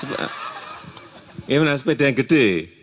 ini mana sepeda yang gede